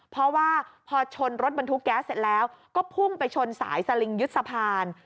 เพราะว่าพอชนรถบรรทุกแก๊สเสร็จแล้วก็พุ่งไปชนสายสลิงยึดสะพาน